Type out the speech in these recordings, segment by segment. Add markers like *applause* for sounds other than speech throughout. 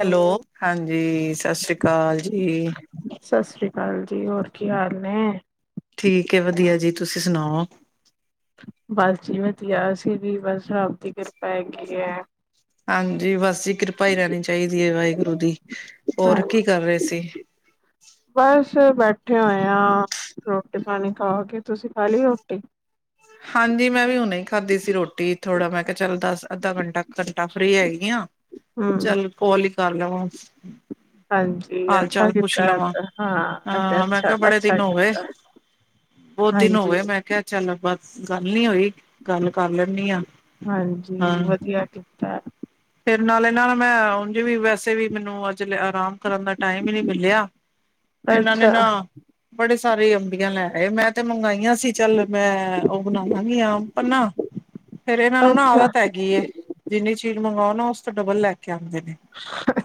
Hello, ਹਾਂਜੀ, ਸਤਿ ਸ਼੍ਰੀ ਅਕਾਲ ਜੀ। ਸਤਿ ਸ਼੍ਰੀ ਅਕਾਲ ਜੀ, ਹੋਰ ਕੀ ਹਾਲ ਨੇ? ਠੀਕ ਏ ਵਧੀਆ ਜੀ, ਤੁਸੀਂ ਸੁਣਾਓ? ਬਸ ਜੀ ਵਧੀਆ, ਅਸੀ ਵੀ ਬਸ ਰਬ ਦੀ ਕਿਰਪਾ ਹੈਗੀ ਐ। ਹਾਂਜੀ, ਬਸ ਜੀ ਕਿਰਪਾ ਈ ਰਹਿਣੀ ਚਾਈਦੀ ਏ ਵਾਹਿਗੁਰੂ ਦੀ, ਹਾਂ, 'ਹੋਰ ਕੀ ਕਰ ਰਹੇ ਸੀ? ਬਸ, ਬੈਠੇ ਹੋਏ ਆਂ। ਰੋਟੀ-ਪਾਣੀ ਖਾਕੇ, ਤੁਸੀਂ ਖਾਲੀ ਰੋਟੀ? ਹਾਂਜੀ, ਮੈਂ ਵੀ ਹੁਣੇ ਉ ਖਾਧੀ ਸੀ ਰ੍ਹੋਟੀ, ਥੋੜ੍ਹਾ ਮੈਂ ਕਿਹਾ ਚੱਲ ਦਸ, ਅੱਧਾ ਘੰਟਾ, ਘੰਟਾ ਫ੍ਰੀ ਹੈਗੀ ਆ। ਹਮ ਚੱਲ ਕੌਲ ਈ ਕਰ ਲਵਾ। ਹਾਂਜੀ ਅੱਛਾ ਹਾਲ-ਚਾਲ ਪੁੱਛ ਕੀਤਾ ਹੈ ਲਵਾਂ, ਤਾਂ। ਤੇ ਹਾਂ ਮੈਂ ਅੱਛਾ ਕਿਹਾ ਬੜੇ ਅੱਛਾ ਦਿਨ ਹੋ ਗਏ। ਕੀਤਾ ਬਹੁਤ ਦਿਨ ਹਾਂਜੀ ਹੋਗੇ, ਮੈਂ ਕਿਹਾ ਚੱਲ ਬਸ ਗੱਲ ਨੀ ਹੋਈ, ਗੱਲ ਕਰ ਲੈਂਨੀ ਆ। ਹਾਂਜੀ, ਵਧੀਆ ਕੀਤਾ। ਫਿਰ ਨਾਲੇ ਇਹਨਾਂ ਨਾਲ ਮੈਂ, ਉਂਜ ਵੀ ਵੈਸੇ ਵੀ ਮੈਨੂੰ ਜ ਆਰਾਮ ਕਰਨ ਦਾ ਟਾਈਮ ਈ ਨੀ ਮਿਲਿਆ, ਇਹਨਾਂ ਨੇ ਅੱਛਾ ਨਾ ਬੜੇ ਸਾਰੇ ਅੰਬੀਆਂ ਲੈ ਹਾਏ, ਮੈਂ ਤੇ ਮੰਗਾਈਆਂ ਸੀ ਚੱਲ, ਮੈਂ ਉਹ ਬਣਾਵਾਂਗੀ ਆਮ ਪੰਨਾ। ਫੇਰ ਇਹਨਾਂ ਨੂੰ ਨਾ ਅੱਛਾ ਆਦਤ ਹੈਗੀ ਏ, ਜਿੰਨੀ ਚੀਜ਼ ਮੰਗਾਓ ਨਾ, ਉਸ ਤੋਂ ਡਬਲ ਲੈਕੇ ਆਂਦੇ ਨੇ।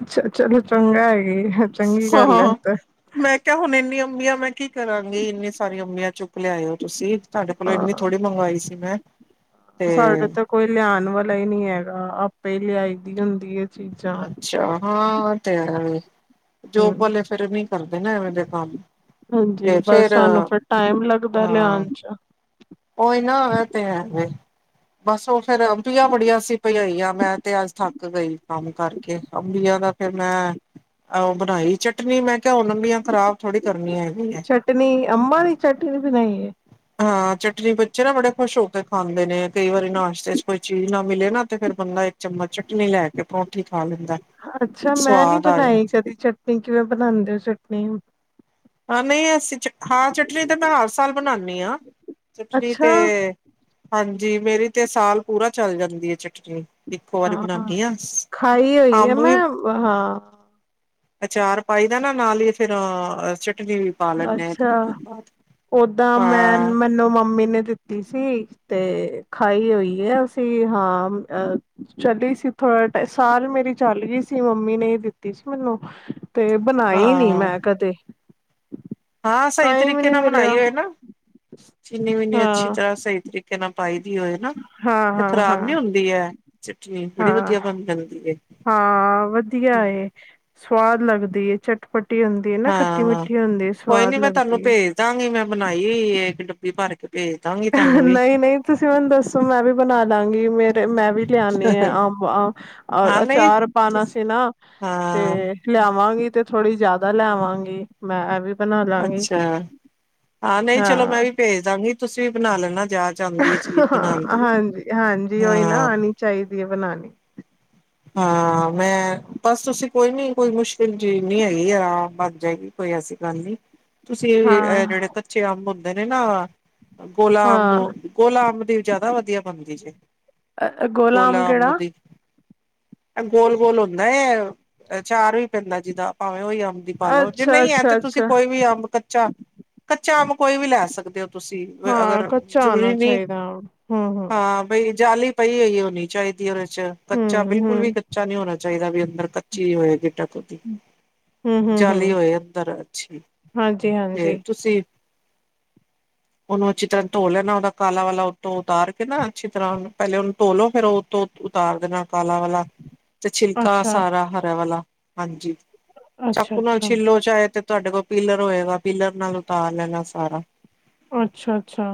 ਅੱਛਾ, ਚਲੋ ਚੰਗਾ ਹੈਗੀ। ਚੰਗੀ ਹਾਂ ਗੱਲ ਹੈ ਹਾਂ ਤੇ ਮੈਂ ਕਿਹਾ ਹੁਣ ਇੰਨੀ ਅੰਬੀਆਂ ਮੈਂ ਕੀ ਕਰਾਂਗੀ, ਇੰਨੀ ਸਾਰੀਆਂ ਅੰਬੀਆਂ ਚੁੱਕ ਲਿਆਇਓ ਤੁਸੀ। ਤੁਹਾਡੇ ਕੋਲੋਂ ਇੰਨੀ ਹਾਂ ਥੋੜ੍ਹੀ ਮੰਗਵਾਈ ਸੀ, ਮੈਂ। ਤੇ ਸਾਡੇ ਤੇ ਕੋਈ ਲਿਆਣ ਵਾਲਾ ਈ ਨਹੀਂ ਹੈਗਾ, ਆਪੇ ਈ ਲਿਆਈ ਦੀ ਹੁੰਦੀ ਏ। ਅੱਛਾ, ਹਾਂ ਤੇ ਹੈਵੇ। ਜੋਬ ਹਮ ਵਾਲੇ ਫਿਰ ਨਹੀਂ ਕਰਦੇ ਨਾ, ਐਵੇਂ ਦੇ ਕੰਮ। ਹਾਂਜੀ, ਤੇ ਬਸ ਫੇਰ ਸਾਨੂੰ ਫਿਰ ਟਾਈਮ ਲੱਗਦਾ ਲਿਆਨ'ਚ। ਓਈ ਨਾ, ਓ ਤੇ ਹੈਵੇ। ਬਸ ਉਹ ਫਿਰ ਅੰਬੀਆਂ ਬੜੀਆਂ ਸੀ ਪਈਆਂ ਹੋਈਆ, ਮੈਂ ਤੇ ਅੱਜ ਥੱਕ ਗਈ ਕੰਮ ਕਰਕੇ ਅੰਬੀਆਂ ਦਾ ਫਿਰ ਮੈਂ, ਉਹ ਬਣਾਈ ਚਟਨੀ, ਮੈਂ ਕਿਹਾ ਹੁਨ ਅੰਬੀਆਂ ਖ਼ਰਾਬ ਥੋੜੀ ਕਰਨੀ ਹੈਗੀ ਏ। ਚਟਨੀ, ਅੰਬਾਂ ਦੀ ਚਟਨੀ ਤੇ ਨਹੀਂ। ਹਾਂ, ਚਟਨੀ ਬੱਚੇ ਨਾ ਬੜੇ ਖੁਸ਼ ਹੋਕੇ ਖਾਂਦੇ ਨੇ, ਕਈ ਵਾਰੀ ਨਾਸ਼ਤੇ'ਚ ਕੋਈ ਚੀਜ਼ ਨਾ ਮਿਲੇ ਨਾ ਤੇ ਫਿਰ ਬੰਦਾ, ਇੱਕ ਚਮਚ ਚਟਨੀ ਲੈਕੇ ਪਰੌਠੀ ਖਾ ਲੀਂਦਾ। ਅੱਛਾ, ਮੈਂ ਨੀ ਬਨਾਈ ਕਦੀ ਚਟਨੀ, ਕਿਵੇਂ ਬਣਾਂਦੇ ਓ ਚਟਨੀ? ਹਾਂ, ਨਹੀਂ ਅਸੀਂ ਹਾਂ ਚਟਨੀ ਤੇ ਮੈਂ ਹਰ ਸਾਲ ਬਣਾਂਨੀ ਆ, ਚਟਨੀ ਅੱਛਾ ਤੇ ਹਾਂਜੀ, ਮੇਰੀ ਤੇ ਸਾਲ ਪੂਰਾ ਚੱਲ ਜਾਂਦੀ ਏ, ਚਟਨੀ। ਇੱਕੋ ਵਾਰੀ ਹਾਂ ਬਣਾਂਨੀ ਆ, ਖਾਈ ਹੋਈ ਹੈ ਅੰਬ ਵੀ ਮੈਂ ਹਾਂ ਅਚਾਰ ਪਾਈਦਾ ਨਾ ਨਾਲ ਈ ਫਿਰ, ਚਟਨੀ ਪਾ ਲੈਂਦੇ ਆ ਇੱਕ ਅੱਛਾ, ਦੋ ਦਿਨ ਬਾਅਦ। ਓਦਾਂ ਮੈਂ ਹਾਂ, ਮੈਨੂੰ ਮੰਮੀ ਨੇ ਦਿੱ ਸੀ, ਤੇ ਖਾਈ ਹੋਈਏ ਅਸੀ ਹਾਂ, ਅ ਚਲੀ ਸੀ ਥੋੜਾ ਸਾਲ ਮੇਰੀ ਚੱਲ ਗਈ ਸੀ ਮੰਮੀ ਨੇ ਈ ਦਿੱਤੀ ਸੀ ਮੇਨੂੰ, ਤੇ ਬਨਾਈ ਨੀ, ਹਾਂ, ਮੈਂ ਕਦੇ। ਹਾਂ, ਸਹੀ ਟਾਈਮ ਹੀ ਤਰੀਕੇ ਨੀ ਨਾਲ ਮਨਾਈ ਮਿਲਿਆ ਹੋਏ ਨਾ, ਚੀਨੀ-ਵੀਨੀ ਅੱਛੀ ਹਾਂ ਤਰ੍ਹਾਂ ਸਹੀ ਤਰੀਕੇ ਨਾ ਪਾਈ ਦੀ ਹੋਏ ਨਾ, ਹਾਂ ਤੇ ਹਾਂ ਹਾਂ ਖ਼ਰਾਬ ਨੀ ਹੁੰਦੀ ਹੈ ਚਟਨੀ, ਬੜੀ ਹਾਂ ਵਧੀਆ ਬਣ ਜਾਂਦੀ ਏ। ਹਾਂ ਵਧੀਆ ਏ, ਸਵਾਦ ਲੱਗਦੀ ਏ ਚਟਪਟੀ ਨਾ, ਹਾਂ। ਖੱਟੀ-ਮਿੱਠੀ ਹੁੰਦੀ ਏ, ਕੋਈ ਨੀ ਸਵਾਦ ਮੈਂ ਤੁਹਾਨੂੰ ਲੱਗਦੀ ਏ। ਭੇਜ ਦਾਂਗੀ ਮੈਂ ਬਣਾਈ, ਇੱਕ ਡੱਬੀ ਭਰਕੇ ਭੇਜ ਦਾਂਗੀ ਤਹਾਨੂੰ ਵੀ। ਨਹੀਂ ਨਹੀਂ ਤੁਸੀਂ ਮੈਨੂੰ ਦੱਸੋ ਮੈਂ ਵੀ ਬਣਾ ਲਾਂਗੀ ਮੇ। ਤੇ ਮੈਂ ਵੀ ਲਿਆਣੇ ਨੇ ਆ ਅੰਬ - ਅੰਬ ਹਾਂ ਨਹੀਂ ਅਚਾਰ ਪਾਣਾ ਤੁਸ ਸੀ ਨਾ ਹਾਂ ਤੇ। ਲਿਆਵਾਂਗੀ ਤੇ ਥੋੜੀ ਜਿ਼ਆਦਾ ਲੇਆਵਾਂਗ। ਮੈਂ ਏਹ ਵੀ ਬਣਾ ਲਾਂਗੀ ਅੱਛਾ। ਹਾਂ। ਭੇਜਦਾਗੀ ਤੁਸੀਂ ਵੀ ਬਣਾ ਲੈਣਾ ਜਾ ਕੇ। ਹਾਂਜੀ - ਹਾਂਜੀ ਉਹੀ ਨਾ, ਹਾਂ। ਆਨੀ ਚਾਹੀਦੀ ਹੈ ਬਨਾਨੀ। ਹਾਂ ਮੈਂ ਬਸ ਤੁਸੀਂ ਕੋਈ ਨੀ ਕੋਈ ਮੁਸ਼ਕਿਲ ਚੀਜ਼ ਨਹੀਂ ਹੈਗੀ, ਆਰਾਮ ਨਾਲ ਬਣ ਜਾਏਗੀ ਕੋਈ ਐਸੀ ਗੱਲ ਨਹੀਂ। ਤੁਸੀਂ ਏ ਹਾਂ ਜਿਹੜੇ ਕੱਚੇ ਅੰਬ ਹੁੰਦੇ ਨੇ ਨਾ ਗੋਲਾ ਅੰਬ। ਹਾਂ ਤ ਗੋਲਾ ਅੰਬ ਦੀ, ਜ਼ਿਆਦਾ ਵਧੀਆ ਬਣਦੀ ਜੇ ਗੋਲਾ ਅੰਬ ਦੀ। ਏ ਗੋਲ ਗੋਲ ਹੁੰਦਾ ਹੈ, ਅਚਾਰ ਵੀ ਪੈਂਦਾ ਜਿਦਾ ਭਾਵੇਂ ਉਹਈ ਆ। ਪਾ ਲਓ ਜੇ ਅੱਛਾ ਨਹੀਂ ਹੈ ਤੇ, ਅੱਛਾ ਤੁਸੀਂ ਅੱਛਾ ਕੋਈ ਵੀ ਅੰਬ ਕੱਚਾ - ਕੱਚਾ ਅੰਬ ਕੋਈ ਵੀ ਲੈ ਸਕਦੇ ਹੋ। ਤੁਸੀਂ ਹਾਂ ਅਗਰ ਕੱਚਾ ਜ਼ਰੂਰੀ ਆਣਾ ਨੀ ਚਾਹੀਦਾ ਹੂੰ-ਹੂੰ, ਹਾਂ ਬਈ ਜਾਲੀ। ਪਈ ਹੋਈ ਹੋਣੀ ਚਾਹੀਦੀ ਉਹਦੇ ਚ, ਕੱਚਾ ਬਿਲਕੁਲ ਵੀ ਹੂੰ-ਹੂੰ, ਕੱਚਾ। ਕੱਚਾ ਨੀ ਹੋਣਾ ਚਾਹੀਦਾ ਵੀ ਅੰਦਰ ਕੱਚੀ ਹੋਏਗੀ ਗੀਟੱਕ। ਜਾਲੀ ਹੂੰ-ਹੂੰ-ਹੂੰ ਹੋਏ ਅੰਦਰ ਅੱਛੀ, ਹਾਂਜੀ-ਹਾਂਜੀ ਤੇ ਤੁਸੀਂ। *unintelligible* ਉਹਨੂੰ ਅੱਛੀ ਤਰਾਂ ਧੋ ਲੈਣਾ ਉਹਦਾ ਕਾਲਾ ਵਾਲਾ ਉੱਤੋ ਉਤਾਰ ਕੇ ਨਾ ਅੱਛੀ ਤਰਾਂ ਪਹਿਲੇ ਉਹਨੂੰ ਧੋਲੋ ਫਿਰ ਉਹ। ਧੋ ਕੇ ਉਤਾਰ। ਉਹਦੇ ਨਾਲ ਕਾਲਾ ਵਾਲਾ ਤੇ ਛਿਲਕਾ ਅੱਛਾ, ਸਾਰਾ ਹਰ ਵਾਲਾ ਹਾਂਜੀ। ਚਾਕੂ ਨਾਲ ਅੱਛਾ-ਅੱਛਾ, ਛਿੱਲੋ ਚਾਹੇ ਤੇ ਤੁਹਾਡੇ ਕੋਲ ਪੀਲਰ ਹੋਏਗਾ ਪੀਲਰ ਨਾਲ ਉਤਾਰ ਲੈਣਾ ਸਾਰਾ। ਅੱਛਾ - ਅੱਛਾ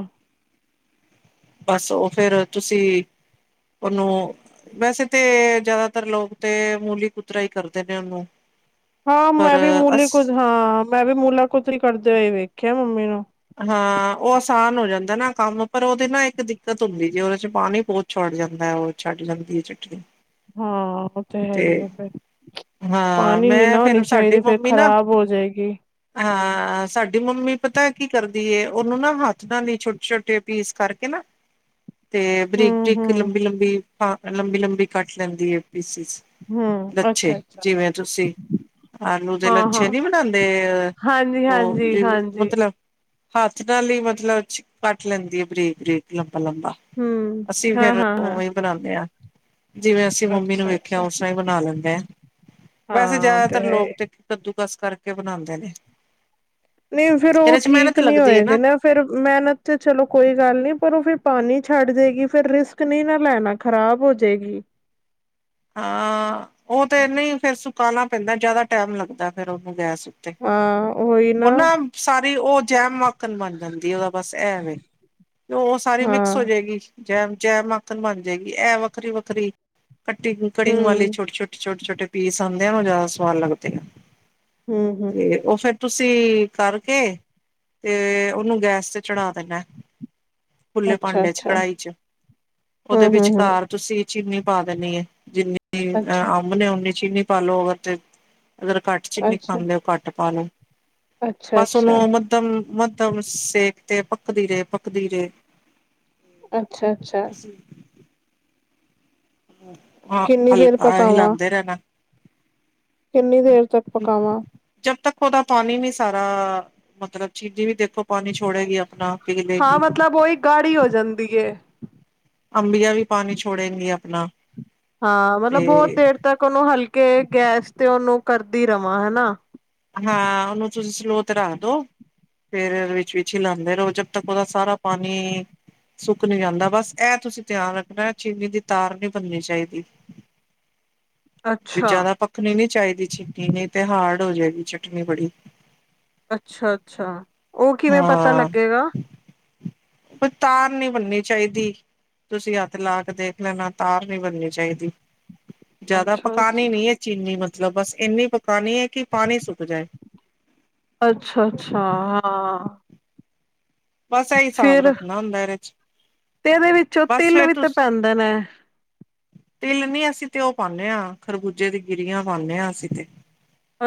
ਬਸ ਉਹ ਫਿਰ ਤੁਸੀਂ ਉਹਨੂੰ। ਵੈਸੇ ਤੇ ਜ਼ਿਆਦਾਤਰ ਲੋਕ ਤੇ, ਮੂਲੀ ਕੁੂਤਰਾ ਹੀ ਕਰਦੇ ਨੇ ਉਹਨੂੰ। ਹਾਂ ਪਰ ਮੈਂ ਵੀ ਅਸ ਮੂਲੀ ਕੁਤ ਹਾਂ, ਮੈਂ ਵੀ ਮੂਲਾ ਕੁਤਰਾ ਕਰਦੇ ਹੋਏ ਵੇਖਿਆ ਮੰਮੀ ਨੂੰ। ਹਾਂ ਉਹ ਆਸਾਨ ਹੋ ਜਾਂਦਾ ਨਾ, ਕੰਮ ਪਰ ਉਹਦੇ ਨਾ ਇੱਕ ਦਿੱਕਤ ਹੁੰਦੀ ਜੇ ਉਹਦੇ ਚ ਪਾਣੀ ਬਹੁਤ। ਛੱਡ ਜਾਂਦਾ ਉਹ ਛੱਡ ਜਾਂਦੀ ਹੈ ਚਟਨੀ। ਹਾਂ ਉਹ ਤਾਂ ਹੈ ਤੇ ਹੀ ਹ ਫਿਰ। ਹਾਂ ਪਾਣੀ ਨੀ ਮੈਂ ਨਾ ਫੇਰ ਹੋਣੀ ਸਾਡੀ ਚਾਹੀਦੀ, ਫਿਰ ਮੰਮੀ ਨਾ ਖ਼ਰਾਬ ਹੋ ਜਾਏਗੀ। ਹਾਂ ਆ ਸਾਡੀ ਮੰਮੀ ਪਤਾ। ਕੀ ਕਰਦੀ ਉਹਨੂੰ ਨਾ, ਹੱਥ ਨਾਲ ਇ ਛੋਟੇ- ਛੋਟੇ ਪੀਸ ਕਰਕੇ ਨਾ। ਤੇ ਬਰੀਕ -ਬਰੀਕ ਹੂੰ-ਹੂੰ, ਲੰਬੀ - ਲੰਬੀ, ਲੰਬੀ - ਲੰਬੀ ਕੱਟ ਲੈਂਦੀ ਹੈ ਪੀਸਿਸ। ਹੂੰ ਲੱਛੇ ਅੱਛਾ-ਅੱਛਾ ਜਿਵੇਂ ਤੁਸੀਂ। ਆਲੂ ਦੇ ਹਾਂ-ਹਾਂ ਲੱਛੇ ਨੀ ਬਣਾਉਦੇ, ਉਹ ਹਾਂਜੀ-ਹਾਂਜੀ, ਜ ਹਾਂਜੀ ਮਤਲਬ। ਹੱਥ ਨਾਲ ਹੀ ਮਤਲਬ ਕੱਟ ਲੈਂਦੀ ਆ, ਬਰੀਕ- ਬਰੀਕ ਲੰਬਾ - ਲੰਬਾ। ਹੰਮ, ਹਾਂ ਹਾਂ ਹਾਂ। ਬਣਾਦੇ ਆ ਜਿਵੇਂ ਅਸੀਂ ਮੰਮੀ ਨੂੰ ਅੱਛਾ ਵੇਖਿਆ, ਅੱਛਾ ਉਸ ਰਾ ਹੀ ਬਣਾ ਲੈਦੇ ਆ। ਵੈਸੇ ਹਾਂ ਉਹ ਜ਼ਿਆਦਾਤਰ ਹੈ ਲੋਕ ਤੇ, ਕੱਦੂਕਸ ਕਰਕੇ ਬਣਾਦੇ ਨੇ। ਨਹੀਂ ਫੇਰ ਉਹ ਇਹਦੇ ਚ ਠੀਕ ਨੀ, ਠੀਕ ਮਿਹਨਤ ਨੀ ਲੱਗਦੀ ਹੈ ਹੋਏਦੇ ਨਾ। ਫਿਰ ਮਿਹਨਤ ਚਲੋ ਕੋਈ ਗੱਲ ਨੀ, ਪਰ ਉਹ ਫਿਰ ਪਾਣੀ ਛੱਡ ਜੇ ਗੀ ਫਿਰ ਰਿਸਕ ਨੀ ਨ ਲੈਣਾ। ਖ਼ਰਾਬ ਹੋ ਜਾਏਗੀ। ਹਾਂ ਉਹ ਤੇ ਨੀ ਫਿਰ ਸੁਕਾਣਾ ਪੈਂਦਾ, ਜਿਆਦਾ ਟੈਮ ਲੱਗਦਾ ਫਿਰ ਉਹਨੂੰ ਗੈਸ ਉੱਤੇ। ਹਾਂ ਹੋਈ ਨਾ। ਸਾਰੀ ਉਹ ਜੈਮ ਅਕ। ਮੱਖਣ ਬਣ ਜਾਂਦੀ ਉਹਦਾ ਬਸ ਐ ਵੇ, ਉਹ ਸਾਰੀ ਮਿਕਸ ਹਾਂ ਹੋ ਜਾਏਗੀ। ਜੈਮ, ਜੈਮ ਮਾਖਣ ਬਣ ਜੇਗੀ ਐ ਵੱਖਰੀ-ਵੱਖਰੀ ਕੱਟਿੰਗ ਕੜਿੰਗ ਵਾਲੀ ਹਮ ਛੋਟੇ-ਛੋਟੇ-ਛੋਟੇ-ਛੋਟੇ ਪੀਸ ਆਂਦੇ ਆ ਜਿਆਦਾ ਸਵਾਦ ਲੱਗਦੇ ਆ ਹਮ ਹਮ 'ਤੇ ਓ ਫੇਰ ਤੁਸੀਂ ਕਰਕੇ 'ਤੇ ਉਨੂੰ ਗੈਸ ਤੇ ਚੜਾ ਦੇਨੈ। ਖੁੱਲੇ ਅੱਛਾ ਭਾਂਡੇ 'ਚ ਅੱਛਾ ਕੜਾਹੀ 'ਚ ਉਦੇ ਹਮ ਹਮ ਹਮ ਵਿਚਕਾਰ ਤੁਸੀਂ ਚੀਨੀ ਪਾ ਦੇਣੀ ਏ ਜਿੰਨੀ ਅੱਛਾ ਅਹ ਅੰਬ ਨੇ ਉਨੀ ਚੀਨੀ ਪਾਲੋ ਅਗਰ 'ਤੇ ਅਗਰ ਘੱਟ ਚੀਨੀ ਅੱਛਾ ਖਾਂਦੇ ਓ ਘੱਟ ਪਾਲੋ। ਅੱਛਾ ਬਸ ਉਨੂੰ ਅੱਛਾ ਮੱਧਮ-ਮੱਧਮ ਸੇਕ 'ਤੇ ਪੱਕਦੀ ਰੇ ਪੱਕਦੀ ਰੇ। ਅੱਛਾ-ਅੱਛਾ। ਹਾਂ ਕਿੰਨੀ ਦੇਰ ਹਲਕਾ ਪਕਾਵਾਂ ਹਿਲਾਦੇ ਰਹਿਣਾ। ਕਿੰਨੀ ਦੇਰ ਤੱਕ ਪਕਾਵਾਂ? ਜਬ ਤੱਕ ਉਦਾ ਪਾਨੀ ਨੀ ਸਾਰਾ ਮਤਲਬ ਚੀਨੀ ਵੀ ਦੇਖੋ ਪਾਣੀ ਛੋੜੇਗੀ ਆਪਣਾ ਹਾਂ ਪਿਗਲੇਗੀ। ਮਤਲਬ ਉਹੀ ਗਾੜੀ ਹੋ ਜਾਂਦੀ ਏ ਅੰਬੀਆਂ ਵੀ ਪਾਣੀ ਛੋੜੇਗੀ ਆਪਣਾ। ਹਾਂ ਮਤਲਬ ਬਹੁਤ ਤੇ ਦੇਰ ਤੱਕ ਉਨੂੰ ਹਲਕੇ ਗੈਸ 'ਤੇ ਉਨੂੰ ਕਰਦੀ ਰਵਾਂ ਹਨਾ। ਹਾਂ ਉਨੂੰ ਤੁਸੀਂ ਸਲੋ 'ਤੇ ਰੱਖ ਦੋ ਫੇਰ ਵਿੱਚ-ਵਿੱਚ ਹਿਲਾਦੇ ਰਹੋ ਜਦ ਤੱਕ ਉਦਾ ਸਾਰਾ ਪਾਨੀ ਸੁੱਕ ਨੀ ਜਾਂਦਾ ਬਸ ਐ ਤੁਸੀਂ ਧਿਆਨ ਰੱਖਣਾ ਚੀਨੀ ਦੀ ਤਾਰ ਨੀ ਬਣਨੀ ਚਾਈਦੀ। ਵੀ ਅੱਛਾ ਜਿਆਦਾ ਪੱਕਣੀ ਨੀ ਚਾਈਦੀ ਚੀਨੀ ਨਈ 'ਤੇ ਹਾਰਡ ਹੋਜੇਗੀ। ਚਟਨੀ ਬੜੀ। ਅੱਛਾ-ਅੱਛਾ ਓ ਕਿਵੇਂ ਪਤਾ ਹਾਂ ਲੱਗੇਗਾ? ਕੋਈ ਤਾਰ ਨੀ ਬਣਨੀ ਚਾਈਦੀ। ਤੁਸੀਂ ਹੱਥ ਲਾ ਕੇ ਦੇਖ ਲੈਣਾ ਤਾਰ ਨੀ ਬਣਨੀ ਚਾਈਦੀ। ਜਿਆਦਾ ਪਕਾਨੀ ਅੱਛਾ-ਅੱਛਾ। ਨੀ ਏ ਚੀਨੀ ਮਤਲਬ ਬਸ ਇੰਨੀ ਪਕਾਨੀ ਏ ਕਿ ਪਾਣੀ ਸੁੱਕ ਜਾਏ। ਅੱਛਾ-ਅੱਛਾ ਹਾਂ। ਹਾਂ। ਬਸ ਏ ਈ ਹਿਸਾਬ ਫਿਰ ਰੱਖਣਾ ਹੁੰਦਾ ਏਰੇ 'ਚ। 'ਤੇ ਏਦੇ ਵਿੱਚੋਂ ਬਸ ਤਿਲ ਫੇਰ ਵੀ 'ਤੇ ਤੁਸ ਪੈਂਦੇ ਨੇ। ਤਿਲ ਨੀ ਅਸੀਂ 'ਤੇ ਓ ਪਾਨੇਆਂ ਖਰਬੂਜੇ ਦੀ ਗਿਰੀਆਂ ਪਾਨੇ ਆ ਅਸੀਂ 'ਤੇ।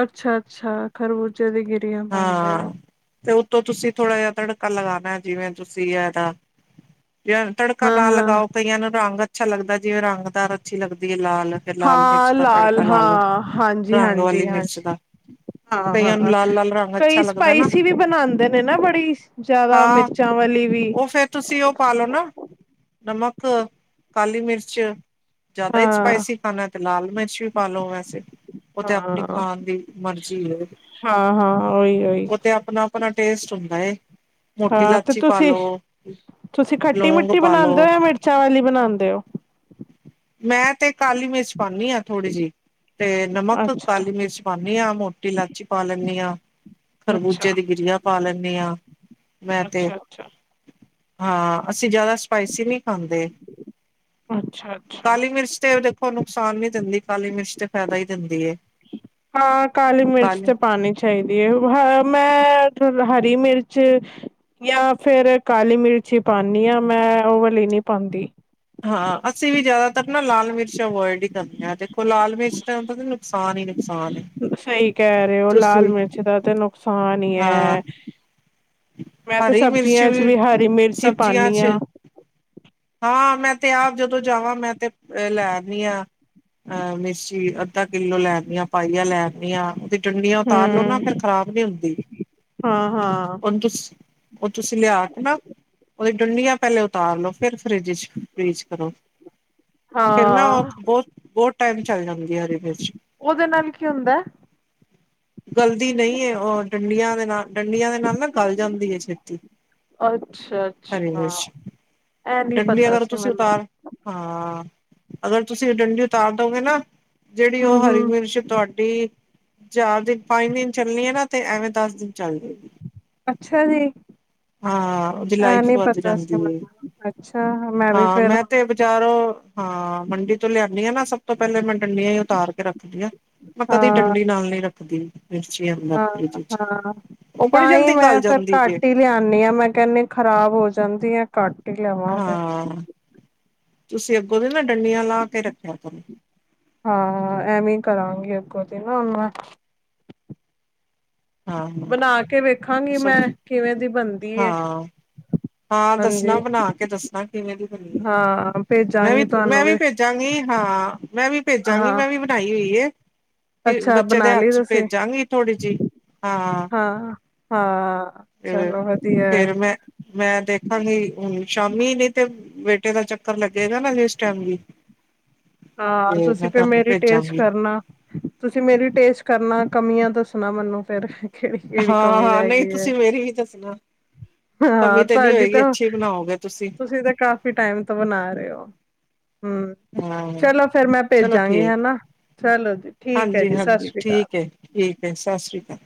ਅੱਛਾ-ਅੱਛਾ ਖਰਬੂਜੇ ਦੀ ਗਿਰ ਹਾਂ 'ਤੇ ਉੱਤੋਂ ਤੁਸੀਂ ਥੋੜਾ ਜਾ ਤੜਕਾ ਲਗਾਣਾ ਏ ਜਿਵੇਂ ਤੁਸੀਂ ਐਦਾ ਯਾਰ ਤੜਕਾ ਨਾ ਹਾਂ-ਹਾਂ, ਹਾਂ ਲਗਾਓ ਕਈਆਂ ਨੂੰ ਰੰਗ ਅੱਛਾ ਲੱਗਦਾ ਜਿਵੇਂ ਰੰਗਦਾਰ ਅੱਛੀ ਲੱਗਦੀਏ ਲਾਲ। ਫਿਰ ਲਾਲ ਮਿਰਚ ਹਾਂ ਦਾ ਲਾਲ ਤੜਕਾ ਲਾ ਲਓ ਹਾਂ ਰੰਗ ਵਾਲੀ ਮਿਰਚ ਹਾਂਜੀ-ਹਾਂਜੀ-ਹਾਂਜੀ। ਦਾ ਕਈਆਂ ਨੂੰ ਹਾਂ-ਹਾਂ। ਲਾਲ ਲਾਲ ਰੰਗ ਅੱਛਾ ਕਈ ਲੱਗਦਾ ਨਾ ਸਪਾਈਸੀ ਵੀ ਬਣਾਦੇ ਨੇ ਨਾ ਬੜੀ ਜਿਆਦਾ ਹਾਂ ਮਿਰਚਾਂ ਵਾਲੀ ਵੀ। ਉਹ ਫੇਰ ਤੁਸੀਂ ਓ ਪਾਲੋ ਨਾ ਨਮਕ, ਕਾਲੀ ਮਿਰਚ। ਜਿਆਦਾ ਈ ਹਾਂ। ਸਪਾਈਸੀ ਖਾਨਾ ਏ 'ਤੇ ਲਾਲ ਮਿਰਚ ਵੀ ਪਾਲੋ ਵੈਸੇ। ਓ 'ਤੇ ਆਪਣੀ ਹਾਂ, ਖਾਣ ਦੀ ਮਰਜ਼ੀਏ। ਹਾਂ-ਹਾਂ, ਉਈ-ਉਈ। ' ਤੇ ਆਪਣਾ-ਆਪਣਾ ਟੇਸਟ ਹੁੰਦਾ ਏ ਮੋਟੀ ਹਾਂ ਤੇ ਲਾਚੀ ਤੁਸੀਂ ਪਾਲੋ। ਤੁਸੀਂ ਖੱਟੀ-ਮਿੱਟੀ ਬਣਾਦੇ ਓ ਜਾਂ ਮਿਰਚਾਂ ਵਾਲੀ ਬਣਾਦੇ ਓ? ਮੈਂ ਤੇ ਕਾਲੀ ਮਿਰਚ ਪਾਨੀਆ ਥੋੜੀ ਜੀ 'ਤੇ ਨਮਕ, ਅੱਛਾ, ਕਾਲੀ ਮਿਰਚ ਪਾਨੀਆਂ ਮੋਟੀ ਲੈਚੀ ਪਾ ਲੈਂਨੀ ਆ। ਅੱਛਾ, ਖਰਬੂਜੇ ਦੀ ਗਿਰੀਆ ਪਾ ਲੈਂਨੀ ਆ ਮੈਂ ਤੇ। ਅੱਛਾ, ਅੱਛਾ, ਹਾਂ ਅਸੀਂ ਜਿਆਦਾ ਸਪਾਈਸੀ ਨੀ ਖਾਂਦੇ, ਅੱਛਾ, ਅੱਛਾ। ਕਾਲੀ ਮਿਰਚ 'ਤੇ ਉਦੇ ਹੋਰ ਨੁਕਸਾਨ ਨੀ ਦਿੰਦੀ‌ ਕਾਲੀ ਮਿਰਚ 'ਤੇ ਫਾਇਦਾ ਈ ਦਿੰਦੀ ਏ। ਹਾਂ, ਕਾਲੀ ਮਿਰਚ ਤੇ ਪਾਨੀ 'ਚ ਚਾਹੀਦੀ ਏ, ਮੈਂ ਹਰੀ ਮਿਰਚ ਯਾ ਫੇਰ ਕਾਲੀ ਮਿਰਚੀ ਹੀ ਪਾਨੀ ਆ। ਮੈਂ ਓ ਵਾਲੀ ਨਹੀਂ ਪਾਂਦੀ। ਹਾਂ, ਅਸੀਂ ਵੀ ਜ਼ਿਆਦਾਤਰ ਨਾ ਲਾਲ ਮਿਰਚਾਂ ਅਵੋਇਡ ਹੀ ਕਰਦੇ ਆ 'ਦੇਖੋ ਲਾਲ ਮਿਰਚ ਤਾਂ ਉਹਦਾ ਨੁਕਸਾਨ ਹੀ, ਨੁਕਸਾਨ ਏ। ਸਹੀ ਕਹਿ ਰਹੇ ਓ, ਲਾਲ ਤੁਸੀਂ ਮਿਰਚ ਦਾ ਤੇ ਨੁਕਸਾਨ ਹੀ ਹਾਂ ਐ। ਮੈਂ ਤੇ ਹਰੀ ਮਿਰਚ ਸਬਜ਼ੀਆਂ ਚ ਵੀ ਹਰੀ ਮਿਰਚ ਹੀ ਸਬਜ਼ੀਆਂ ਪਾਨੀ 'ਚ ਆ, ਹਾਂ, ਮੈਂ ਤੇ ਆਪ ਜਦੋਂ ਜਾਵਾਂ ਮੈਂ ਤੇ ਲੈ ਆਉਣੀ ਆ ਮਿਰ ਚੀ ਅ ਅੱਧਾ ਕਿੱਲੋ ਲੈਣੀ ਆ, ਪਾਈਆ ਲੈ ਆਨੀ ਆ। ਉਹਦੀ ਡੰਡੀਆਂ ਉਤਾਰ ਲੋੋ ਨਾ, ਫ਼ਿਰ ਹੂੰ, ਖਰਾਬ ਨੀ ਹੁੰਦੀ। ਹਾਂ, ਹਾਂ। ਹੁਣ ਤੁਸ, ਉਹ ਤੁਸੀਂ ਲਿਆ ਕੇ ਨਾ, ਓਹਦੀਆਂ ਡੰਡੀਆਂ ਪਹਿਲੇ ਉਤਾਰ ਲੋ, ਫਿਰ ਫਰਿੱਜ ਚ ਫਰੀਜ਼ ਕਰੋ, ਫਿਰ ਨਾ ਉਹ ਹਾਂ, ਬਹੁਤ ਬਹੁਤ ਟਾਈਮ ਚੱਲ ਜਾਂਦੀਆਂ ਹਰੀ ਮਿਰਚ। ਉਹਦੇ ਨਾਲ ਕੀ ਹੁੰਦਾ? ਗਲਦੀ ਨਹੀਂ ਏ, ਉਹ ਡੰਡੀਆਂ ਦੇ ਨਾਲ, ਡੰਡੀਆਂ ਨਾਲ ਨਾ ਗੱਲ ਜਾਂਦੀ ਹੈ ਛੇਤੀ, ਅੱਛਾ, ਹਰੀ ਅੱਛਾ। ਮਿਰਚ। ਐ ਨੀ ਡੰਡੀ ਪਤਾ ਅਗਰ ਸੀ ਤੁਸੀਂ ਮੈਨੂੰ, ਉਤਾਰ ਹਾਂ, ਅਗਰ ਤੁਸੀਂ ਡੰਡੀ ਉਤਾਰ ਦੋਗੇ ਨਾ, ਜਿਹੜੀ ਹੂੰ, ਉਹ ਹਰੀ ਹੂੰ, ਮਿਰਚ ਤੁਹਾਡੀ ਚਾਰ ਦਿਨ-ਪੰਜ ਦਿਨ ਚੱਲਣੀ ਐ ਨਾ, ਤੇ ਐਵੇਂ ਦਸ ਦਿਨ ਚੱਲ ਜੇਗੀ। ਅੱਛਾ ਜੀ। ਹਾਂ ਉਹਦੀ ਇਹ ਲਾਈਫ ਨੀ ਵੱਧ ਪਤਾ ਸੀ ਜਾਂਦੀ ਏ, ਮੈਨੂੰ ਅੱਛਾ ਵੀ ਹਾਂ ਫੇਰ ਮੈਂ ਹੁਣ ਤੇ ਬਜ਼ਾਰੋਂ ਹਾਂ, ਮੰਡੀ ਤੋਂ ਲਿਆਣੀ ਆ ਨਾ, ਸਭ ਤੋਂ ਪਹਿਲੇ ਮੈਂ ਡੰਡੀਆਂ ਹੀ ਉਤਾਰ ਕੇ ਰੱਖਦੀ ਆ। ਮੈਂ ਹਾਂ ਕਦੀ ਡੰਡੀ ਨਾਲ ਨੀ ਰੱਖਦੀ। ਮਿਰਚੀ ਅੰਦਰ ਹਾਂ ਫਰਿੱਜ 'ਚ ਹਾਂ ਉਹ ਬੜੀ ਜਲਦੀ ਗਲ ਜਾਂਦੀ ਜੇ। ਲਿਆਣੀ ਆ ਮੈਂ ਕਹਿੰਨੀ ਖਰਾਬ ਹੋ ਜਾਂਦੀ ਐ। ਘਟ ਹੀ ਲੈ ਆਓ। ਹਾਂ, ਤੁਸੀਂ ਅੱਗੋਂ ਤੋਂ ਨਾ ਡੰਡੀਆਂ ਲਾ ਕੇ ਰੱਖਿਆ ਕਰੋ। ਹਾਂ ਐਵੇਂ ਹੀ ਕਰਾਂਗੀ, ਅੱਗੋਂ ਤੇ ਨਾ ਹੁਣ ਮੈਂ ਹਾਂ ਬਣਾ ਕੇ ਵੇਖਾਂਗੀ ਮੈਂ, ਸਬਜ਼ੀ ਕਿਵੇਂ ਦੀ ਬਣਦੀ ਏ? ਹਾਂ ਹਾਂ ਦੱਸਣਾ, ਹਾਂਜੀ ਬਣਾ ਕੇ ਦੱਸਣਾ, ਕਿਵੇਂ ਦੀ ਬਣੀ ਏ, ਹਾਂ ਮੈਂ ਵੀ ਭੇਜਾਂਗੀ ਮੈਂ ਤੁਹਾਨੂੰ ਵੀ ਭੇਜ ਭੇਜਾਂਗੀ ਹਾਂ, ਮੈ ਵੀ ਭੇਜਾਗੀ, ਹਾਂ ਮੈ ਵੀ ਬਣਾਈ ਹੋਈ ਐ। ਕਿ ਅੱਛਾ ਬੱਚੇ ਦੇ ਬਣਾ ਹੱਥ ਲਈ 'ਚ ਤੁਸੀਂ ਭੇਜਾਗੀ ਥੋੜ੍ਹੀ ਜਿਹੀ। ਹਾਂ- ਹਾਂ, ਹਾਂ ਚਲੋ ਵਧੀਆ ਐ। ਮੈ ਦੇਖਾਂਗੀ ਹੁਨ ਸ਼ਾਮੀ ਨੀ ਤੇ, ਤੇਰਾ ਚੱਕਰ ਲੱਗੇਗਾ ਨਾ, ਜਿਸ ਟਾਈਮ ਵੀ- ਹਾਂ ਤੇ ਤੁਸੀ ਮੈਂ ਫਿਰ ਤੁਹਾਨੂੰ ਮੇਰੀ ਟੇਸਟ ਭੇਜਾਂਗੀ ਕਰਨਾ। ਤੁਸੀ ਮੇਰੀ ਟੇਸਟ ਕਰਨਾ, ਕਮੀਆਂ ਦਸਣਾ ਮਨੂੰ ਫੇਰ। ਕਿਹੜੀ, ਕਿਹੜੀ ਹਾਂ ਕਮੀ ਹਾਂ ਰਹਿ ਨਹੀਂ ਗਈ ਹੈ। ਤੁਸੀਂ ਮੇਰੀ ਵੀ ਦੱਸਣਾ ਹਾਂ ਕਮੀ ਤੇ ਨਹੀਂ ਤੁਹਾਡੀ ਹੋਏਗੀ ਤਾਂ, ਅੱਛੀ ਬਣਾਓਗੇ ਤੁਸੀਂ ਤੁਸੀ ਤਾਂ ਕਾਫ਼ੀ ਟਾਈਮ ਤੋਂ ਬਣਾ ਰਹੇ ਹੋ। ਹਮ, ਹਾਂ ਚਲੋ ਫੇਰ ਮੈਂ ਚਲੋ ਭੇਜਾਗੀ ਠੀਕ ਹੈਨਾ, ਚਲੋ ਜੀ ਠੀਕ ਐ ਜੀ, ਸਤਿ ਹਾਂਜੀ-ਹਾਂਜੀ ਸ੍ਰੀ ਅਕਾਲ। ਠੀਕ ਹੈ, ਠੀਕ ਐ, ਸਤਿ ਸ਼੍ਰੀ ਅਕਾਲ।